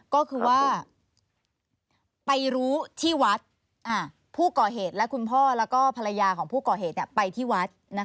ก็คือว่าไปรู้ที่วัดผู้ก่อเหตุและคุณพ่อแล้วก็ภรรยาของผู้ก่อเหตุไปที่วัด